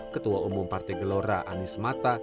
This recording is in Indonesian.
ketua umum partai gelora anies mata